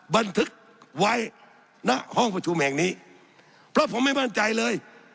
บันทึกไว้ณห้องประชุมแห่งนี้เพราะผมไม่มั่นใจเลย